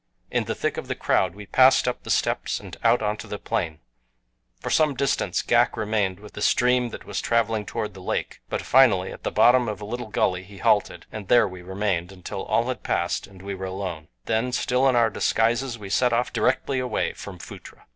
In the thick of the crowd we passed up the steps and out onto the plain. For some distance Ghak remained with the stream that was traveling toward the lake, but finally, at the bottom of a little gully he halted, and there we remained until all had passed and we were alone. Then, still in our disguises, we set off directly away from Phutra.